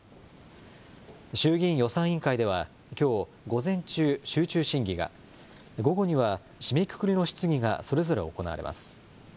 衆議院予算委員会では、きょう午前中、集中審議が、午後には締めくくりの質疑がそれぞれ行われます。